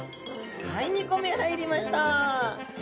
はい２個目入りました。